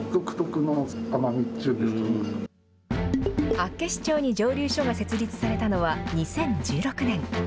厚岸町に蒸留所が設立されたのは２０１６年。